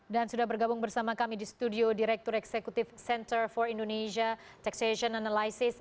dan sudah bergabung bersama kami di studio direktur eksekutif center for indonesia taxation analysis